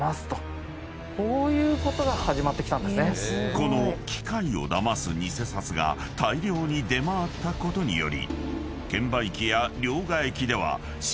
［この機械をだます偽札が大量に出回ったことにより］